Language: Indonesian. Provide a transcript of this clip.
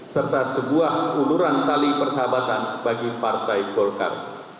serta sebuah uluran tali persahabatan bagi partai golkar